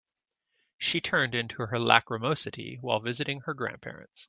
She turned into her lachrymosity while visiting her grandparents.